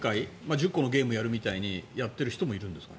１０個のゲームをやるみたいにやっている人もいるんですか？